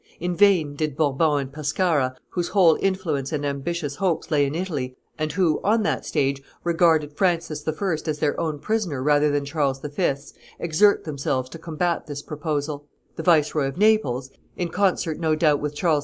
In vain did Bourbon and Pescara, whose whole influence and ambitious hopes lay in Italy, and who, on that stage, regarded Francis I. as their own prisoner rather than Charles V.'s, exert themselves to combat this proposal; the Viceroy of Naples, in concert, no doubt, with Charles V.